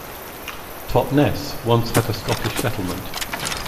Totness once had a Scottish settlement.